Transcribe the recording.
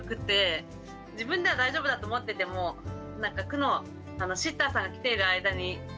自分では大丈夫だと思ってても区のシッターさんが来ている間にすごくぐっすり昼寝できたり